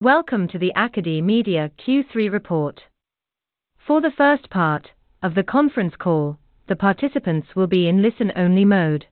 Welcome to the AcadeMedia Q3 report. For the first part of the conference call, the participants will be in listen-only mode.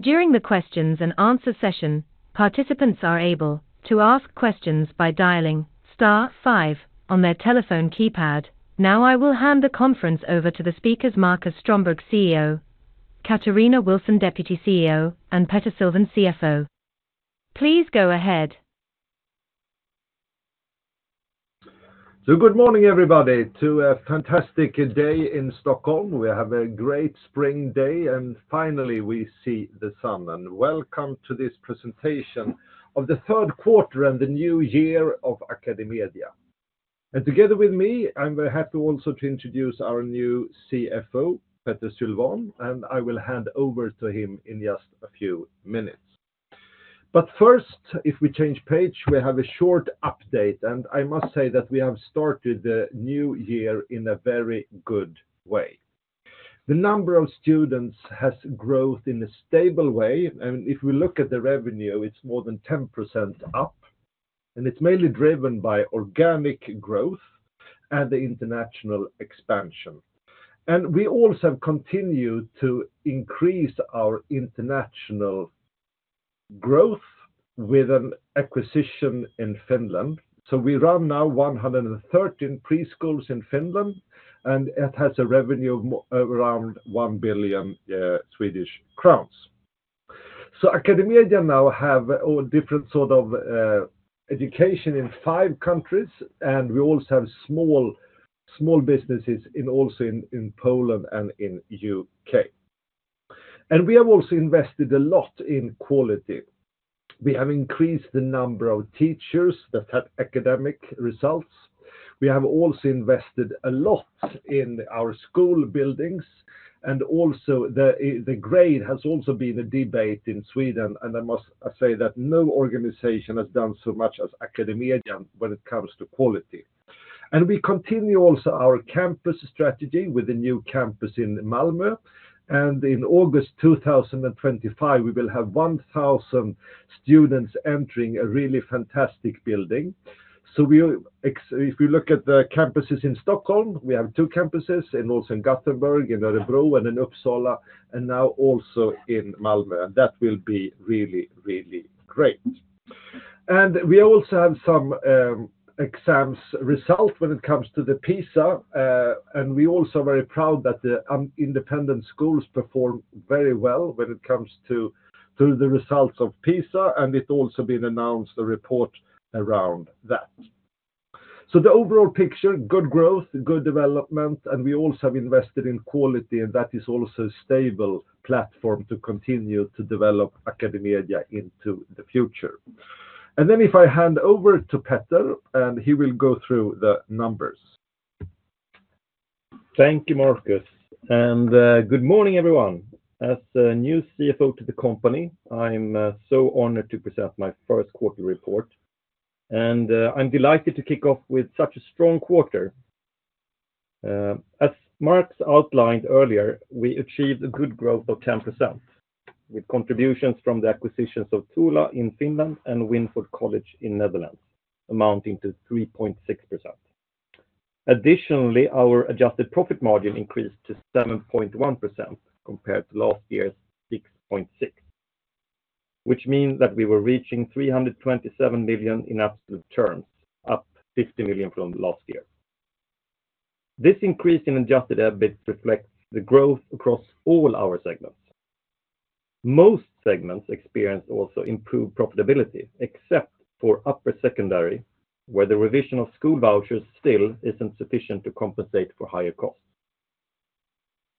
During the questions and answer session, participants are able to ask questions by dialing star five on their telephone keypad. Now, I will hand the conference over to the speakers, Marcus Strömberg, CEO, Katarina Wilson, Deputy CEO, and Petter Sylvan, CFO. Please go ahead. So good morning, everybody, to a fantastic day in Stockholm. We have a great spring day, and finally, we see the sun. Welcome to this presentation of the third quarter and the new year of AcadeMedia. Together with me, I'm very happy also to introduce our new CFO, Petter Sylvan, and I will hand over to him in just a few minutes. But first, if we change page, we have a short update, and I must say that we have started the new year in a very good way. The number of students has grown in a stable way, and if we look at the revenue, it's more than 10% up, and it's mainly driven by organic growth and the international expansion. We also have continued to increase our international growth with an acquisition in Finland. So we run now 113 preschools in Finland, and it has a revenue of around 1 billion Swedish crowns. So AcadeMedia now have all different sort of education in five countries, and we also have small, small businesses in Poland and in U.K. And we have also invested a lot in quality. We have increased the number of teachers that had academic results. We have also invested a lot in our school buildings, and also the grade has also been a debate in Sweden, and I must say that no organization has done so much as AcadeMedia when it comes to quality. And we continue also our campus strategy with a new campus in Malmö. And in August 2025, we will have 1,000 students entering a really fantastic building. So if we look at the campuses in Stockholm, we have two campuses, and also in Gothenburg, in Örebro, and in Uppsala, and now also in Malmö. That will be really, really great. We also have some exams result when it comes to the PISA, and we're also very proud that the independent schools perform very well when it comes to the results of PISA, and it also been announced a report around that. So the overall picture, good growth, good development, and we also have invested in quality, and that is also a stable platform to continue to develop AcadeMedia into the future. Then if I hand over to Petter, and he will go through the numbers. Thank you, Marcus. And good morning, everyone. As a new CFO to the company, I'm so honored to present my first quarterly report, and I'm delighted to kick off with such a strong quarter. As Marcus outlined earlier, we achieved a good growth of 10%, with contributions from the acquisitions of Touhula in Finland and Winford College in Netherlands, amounting to 3.6%. Additionally, our adjusted profit margin increased to 7.1% compared to last year's 6.6%, which means that we were reaching 327 million in absolute terms, up 50 million from last year. This increase in adjusted EBIT reflects the growth across all our segments. Most segments experience also improved profitability, except for Upper Secondary, where the revision of school vouchers still isn't sufficient to compensate for higher costs.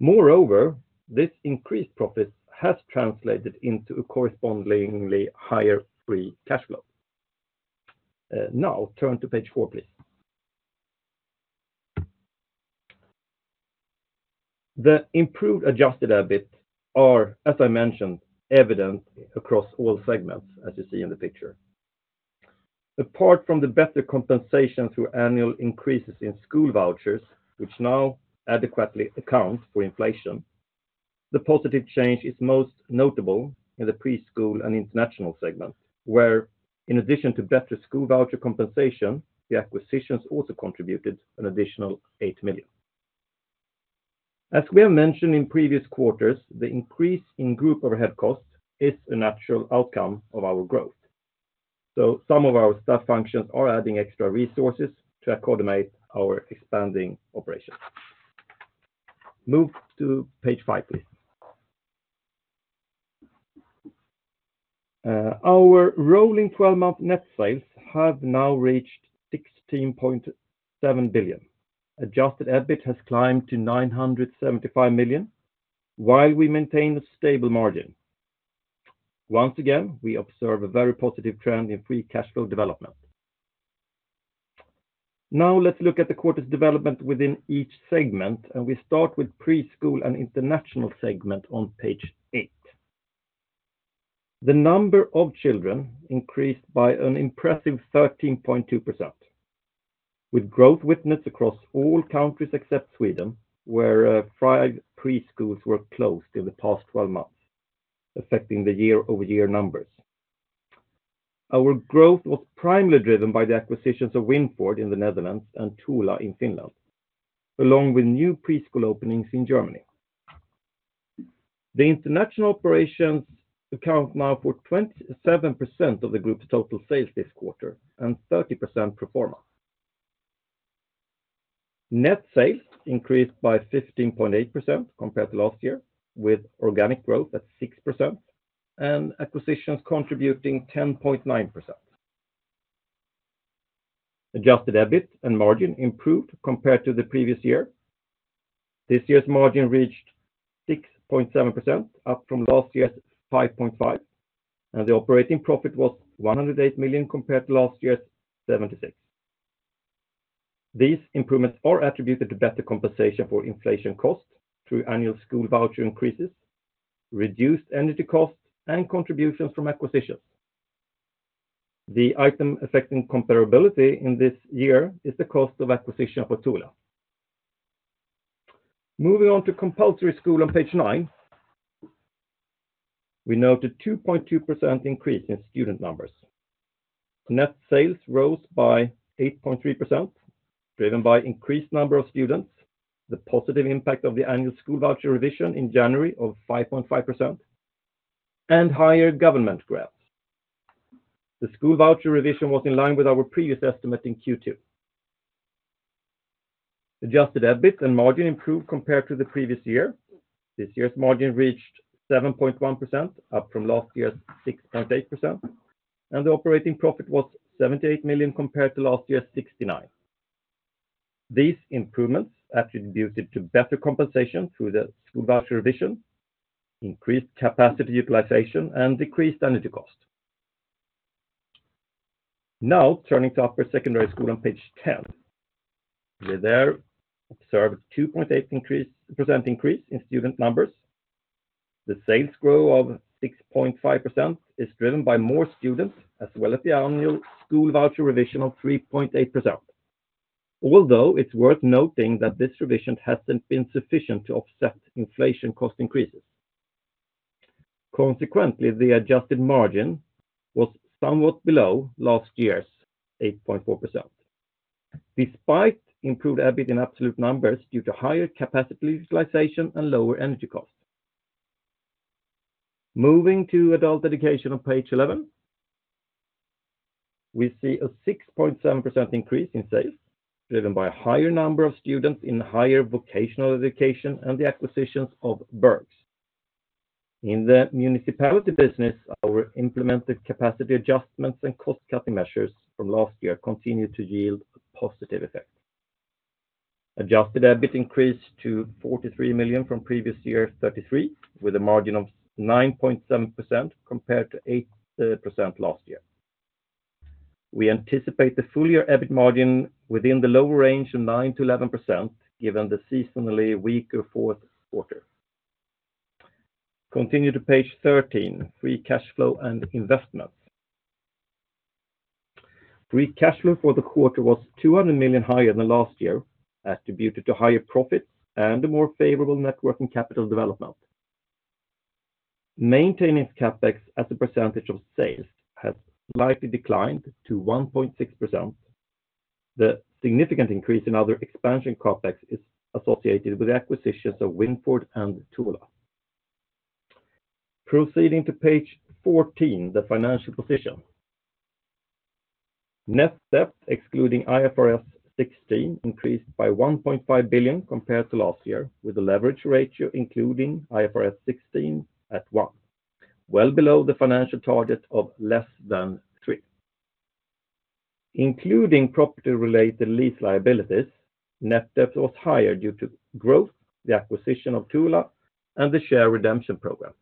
Moreover, this increased profit has translated into a correspondingly higher free cash flow. Now, turn to page four, please. The improved adjusted EBIT are, as I mentioned, evident across all segments, as you see in the picture. Apart from the better compensation through annual increases in school vouchers, which now adequately account for inflation, the positive change is most notable in the Preschool and International segments, where in addition to better school voucher compensation, the acquisitions also contributed an additional 8 million. As we have mentioned in previous quarters, the increase in group overhead costs is a natural outcome of our growth. So some of our staff functions are adding extra resources to accommodate our expanding operations. Move to page five, please. Our rolling twelve-month net sales have now reached 16.7 billion. Adjusted EBIT has climbed to 975 million, while we maintain a stable margin. Once again, we observe a very positive trend in free cash flow development. Now, let's look at the quarters development within each segment, and we start with Preschool and international segment on page eight. The number of children increased by an impressive 13.2%. With growth witnessed across all countries except Sweden, where five preschools were closed in the past twelve months, affecting the year-over-year numbers. Our growth was primarily driven by the acquisitions of Winford in the Netherlands and Touhula in Finland, along with new preschool openings in Germany. The international operations account now for 27% of the group's total sales this quarter, and 30% pro forma. Net sales increased by 15.8% compared to last year, with organic growth at 6% and acquisitions contributing 10.9%. Adjusted EBIT and margin improved compared to the previous year. This year's margin reached 6.7%, up from last year's 5.5%, and the operating profit was 108 million compared to last year's 76 million. These improvements are attributed to better compensation for inflation costs through annual school voucher increases, reduced energy costs, and contributions from acquisitions. The item affecting comparability in this year is the cost of acquisition of Touhula. Moving on to compulsory school on page nine, we noted 2.2% increase in student numbers. Net sales rose by 8.3%, driven by increased number of students, the positive impact of the annual school voucher revision in January of 5.5%, and higher government grants. The school voucher revision was in line with our previous estimate in Q2. Adjusted EBIT and margin improved compared to the previous year. This year's margin reached 7.1%, up from last year's 6.8%, and the operating profit was 78 million compared to last year's 69 million. These improvements attributed to better compensation through the school voucher revision, increased capacity utilization, and decreased energy cost. Now, turning to upper secondary school on page ten. We there observed 2.8% increase, percent increase in student numbers. The sales growth of 6.5% is driven by more students, as well as the annual school voucher revision of 3.8%. Although it's worth noting that this revision hasn't been sufficient to offset inflation cost increases. Consequently, the adjusted margin was somewhat below last year's 8.4%, despite improved EBIT in absolute numbers due to higher capacity utilization and lower energy costs. Moving to adult education on page 11, we see a 6.7% increase in sales, driven by a higher number of students in higher vocational education and the acquisitions of Berghs. In the municipality business, our implemented capacity adjustments and cost-cutting measures from last year continued to yield a positive effect. Adjusted EBIT increased to 43 million from previous year's 33 million, with a margin of 9.7% compared to 8% last year. We anticipate the full year EBIT margin within the lower range of 9%-11%, given the seasonally weaker fourth quarter. Continue to page 13, free cash flow and investments. Free cash flow for the quarter was 200 million higher than last year, attributed to higher profits and a more favorable working capital development. Maintaining CapEx as a percentage of sales has slightly declined to 1.6%. The significant increase in other expansion CapEx is associated with the acquisitions of Winford and Touhula. Proceeding to page 14, the financial position. Net debt, excluding IFRS 16, increased by 1.5 billion compared to last year, with a leverage ratio, including IFRS 16, at 1x, well below the financial target of less than 3x. Including property-related lease liabilities, net debt was higher due to growth, the acquisition of Touhula, and the share redemption program.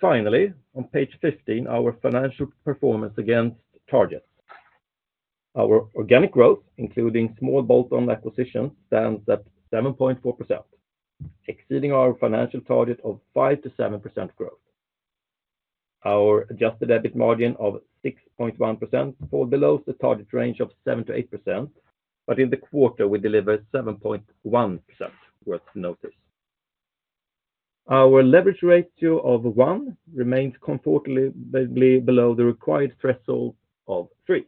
Finally, on page 15, our financial performance against targets. Our organic growth, including small bolt-on acquisitions, stands at 7.4%, exceeding our financial target of 5%-7% growth. Our adjusted EBIT margin of 6.1% falls below the target range of 7%-8%, but in the quarter, we delivered 7.1% worth noting. Our leverage ratio of 1x remains comfortably below the required threshold of 3x.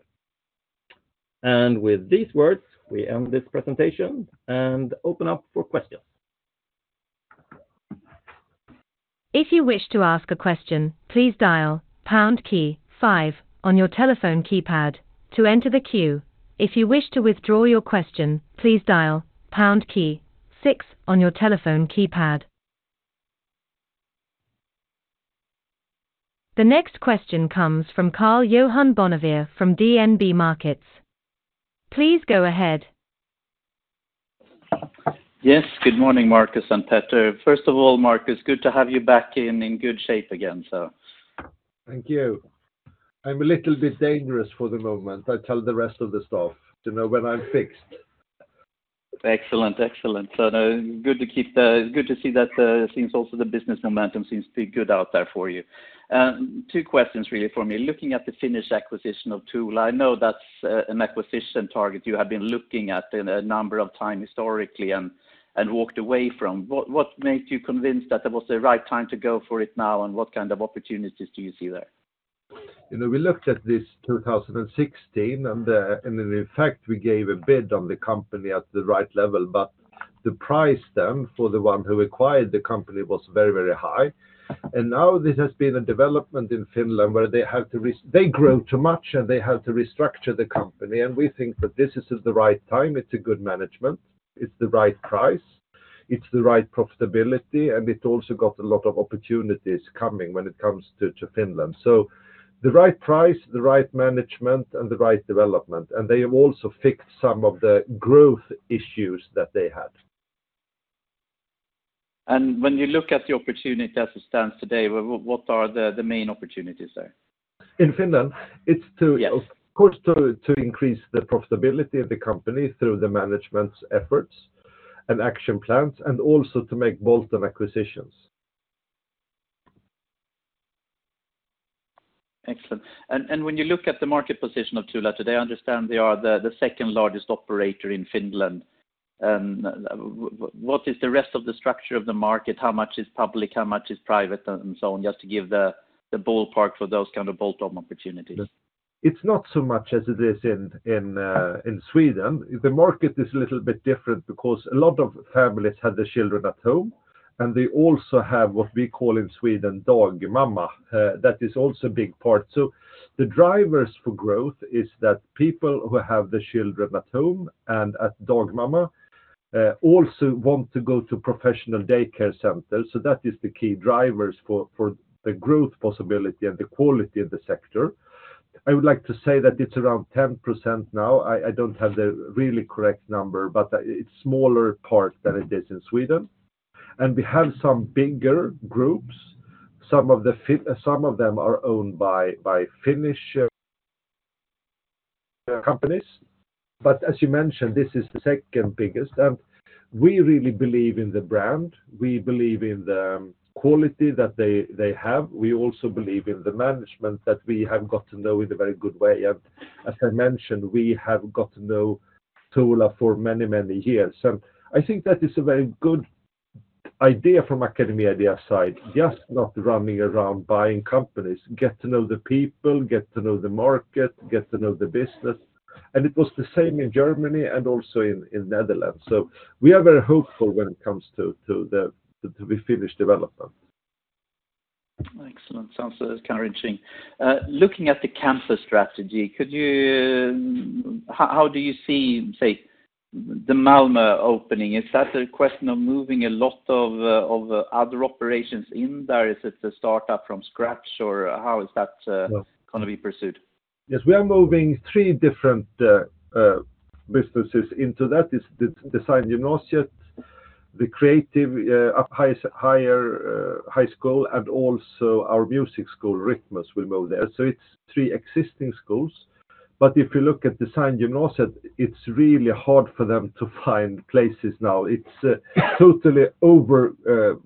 With these words, we end this presentation and open up for questions. If you wish to ask a question, please dial pound key five on your telephone keypad to enter the queue. If you wish to withdraw your question, please dial pound key six on your telephone keypad. The next question comes from Karl-Johan Bonnevier from DNB Markets. Please go ahead. Yes, good morning, Marcus and Petter. First of all, Marcus, good to have you back in good shape again, so. Thank you. I'm a little bit dangerous for the moment. I tell the rest of the staff to know when I'm fixed. Excellent, excellent. So, no, good to see that things also the business momentum seems to be good out there for you. Two questions really for me. Looking at the Finnish acquisition of Touhula, I know that's an acquisition target you have been looking at a number of times historically and walked away from. What makes you convinced that it was the right time to go for it now, and what kind of opportunities do you see there? You know, we looked at this 2016, and, and in effect, we gave a bid on the company at the right level, but the price then for the one who acquired the company was very, very high. Now this has been a development in Finland, where they have to, they grew too much, and they had to restructure the company, and we think that this is just the right time. It's a good management, it's the right price, it's the right profitability, and it also got a lot of opportunities coming when it comes to, to Finland. The right price, the right management, and the right development, and they have also fixed some of the growth issues that they had. When you look at the opportunity as it stands today, what are the main opportunities there? In Finland? It's to— Yes. Of course, to increase the profitability of the company through the management's efforts and action plans, and also to make bolt-on acquisitions. Excellent. And when you look at the market position of Touhula today, I understand they are the second largest operator in Finland. And what is the rest of the structure of the market? How much is public, how much is private, and so on, just to give the ballpark for those kind of bolt-on opportunities. It's not so much as it is in Sweden. The market is a little bit different because a lot of families have their children at home, and they also have what we call in Sweden, "dagmamma." That is also a big part. So the drivers for growth is that people who have the children at home and at "dagmamma," also want to go to professional daycare centers, so that is the key drivers for the growth possibility and the quality of the sector. I would like to say that it's around 10% now. I don't have the really correct number, but it's smaller part than it is in Sweden. And we have some bigger groups. Some of the Finnish some of them are owned by Finnish companies. But as you mentioned, this is the second biggest, and we really believe in the brand. We believe in the quality that they, they have. We also believe in the management that we have got to know in a very good way. And as I mentioned, we have got to know Touhula for many, many years. And I think that is a very good idea from AcadeMedia side, just not running around buying companies. Get to know the people, get to know the market, get to know the business. And it was the same in Germany and also in, in Netherlands. So we are very hopeful when it comes to, to the, to the Finnish development. Excellent. Sounds encouraging. Looking at the campus strategy, could you—how do you see, say, the Malmö opening? Is that a question of moving a lot of other operations in there? Is it a start up from scratch, or how is that gonna be pursued? Yes, we are moving three different businesses into that. It's the Designgymnasiet, the creative high school, and also our music school, Rytmus, will move there. So it's three existing schools. But if you look at Designgymnasiet, it's really hard for them to find places now. It's totally overbooked.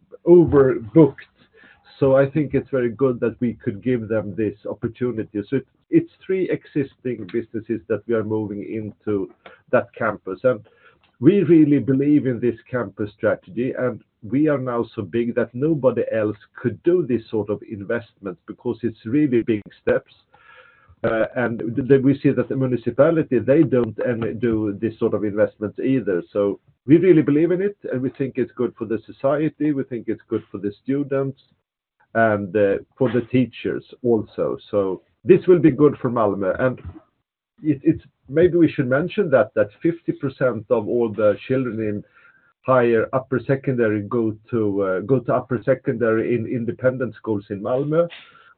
So I think it's very good that we could give them this opportunity. So it's three existing businesses that we are moving into that campus. And we really believe in this campus strategy, and we are now so big that nobody else could do this sort of investment because it's really big steps. And then we see that the municipality, they don't and do this sort of investment either. So we really believe in it, and we think it's good for the society, we think it's good for the students and for the teachers also. So this will be good for Malmö. And it, it's maybe we should mention that, that 50% of all the children in higher upper secondary go to go to upper secondary in independent schools in Malmö.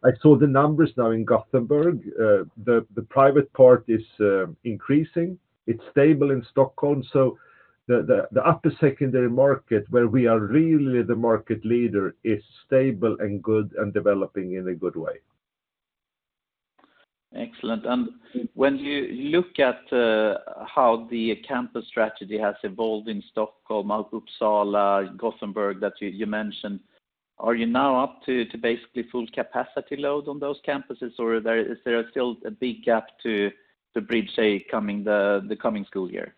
I saw the numbers now in Gothenburg. The private part is increasing. It's stable in Stockholm. So the upper secondary market, where we are really the market leader, is stable and good and developing in a good way. Excellent. When you look at how the campus strategy has evolved in Stockholm, Uppsala, Gothenburg, that you mentioned, are you now up to basically full capacity load on those campuses, or is there still a big gap to bridge, say, coming the coming school year?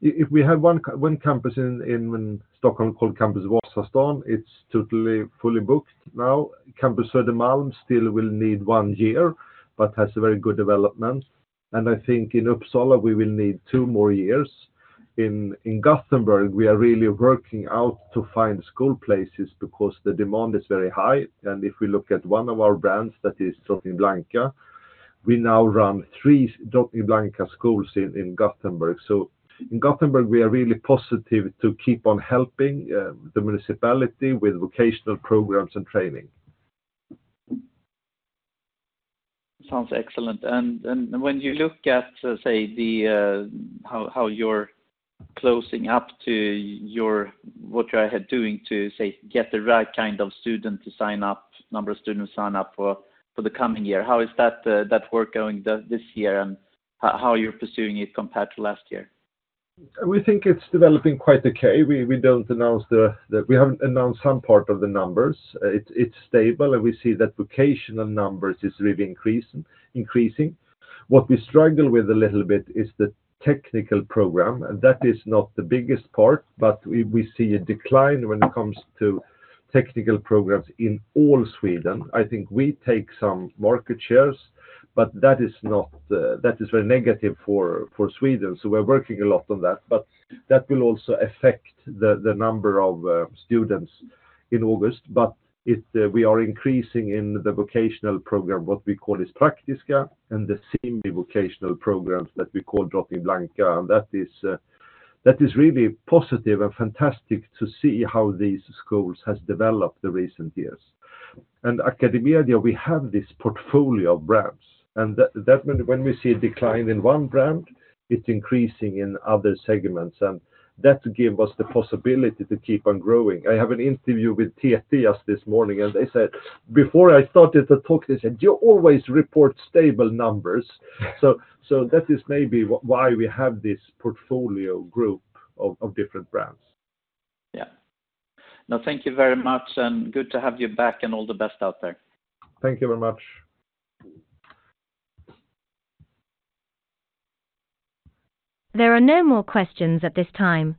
If we have one campus in Stockholm called Campus Vasastan, it's totally fully booked now. Campus Södermalm still will need one year, but has a very good development. I think in Uppsala, we will need two more years. In Gothenburg, we are really working out to find school places because the demand is very high. If we look at one of our brands, that is Drottning Blanka, we now run three Drottning Blanka schools in Gothenburg. So in Gothenburg, we are really positive to keep on helping the municipality with vocational programs and training. Sounds excellent. And when you look at, say, the how you're closing up to your—what you are doing to, say, get the right kind of student to sign up, number of students sign up for the coming year, how is that that work going this year, and how you're pursuing it compared to last year? We think it's developing quite okay. We don't announce the – we haven't announced some part of the numbers. It's stable, and we see that vocational numbers is really increasing, increasing. What we struggle with a little bit is the technical program, and that is not the biggest part, but we see a decline when it comes to technical programs in all Sweden. I think we take some market shares, but that is not, that is very negative for Sweden, so we're working a lot on that. But that will also affect the number of students in August. But we are increasing in the vocational program, what we call as Praktiska, and the semi-vocational programs that we call Drottning Blanka. And that is really positive and fantastic to see how these schools has developed the recent years. AcadeMedia, we have this portfolio of brands, and that when we see a decline in one brand, it's increasing in other segments, and that give us the possibility to keep on growing. I have an interview with TT just this morning, and they said. Before I started to talk, they said, "You always report stable numbers." So that is maybe why we have this portfolio group of different brands. Yeah. Now, thank you very much, and good to have you back, and all the best out there. Thank you very much. There are no more questions at this time,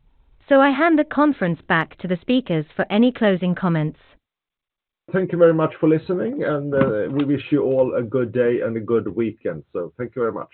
so I hand the conference back to the speakers for any closing comments. Thank you very much for listening, and we wish you all a good day and a good weekend. Thank you very much.